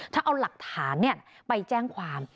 ถ้าเอาหลักฐานไปแจ้งความ